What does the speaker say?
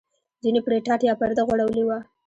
ځینو پرې ټاټ یا پرده غوړولې وه.